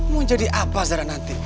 mau jadi apa zara nanti